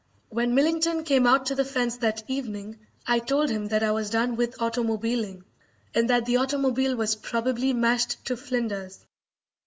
When Millington came out to the fence that evening I told him that I was done with automobiling, and that the automobile was probably mashed to flinders.